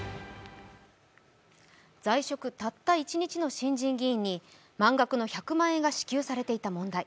在職たった一日の新人議員に満額の１００万円が支給されていた問題。